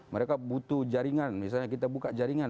mereka butuh jaringan misalnya kita buka jaringan